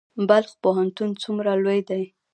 بلخ پوهنتون څومره لوی دی؟